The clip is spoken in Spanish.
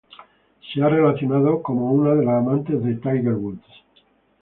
Se la ha relacionado como una de las amantes de Tiger Woods.